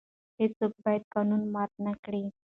هیڅوک باید قانون مات نه کړي.